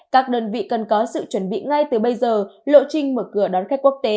các đơn vị cần có sự chuẩn bị ngay từ bây giờ lộ trình mở cửa đón khách quốc tế